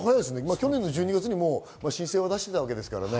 去年の１２月に申請は出していたわけですからね。